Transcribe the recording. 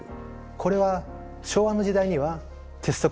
これは昭和の時代には鉄則でした。